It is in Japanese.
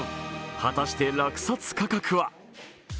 果たして落札価格は？